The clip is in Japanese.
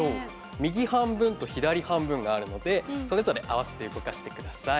右半分と左半分があるので合わせて動かしてください。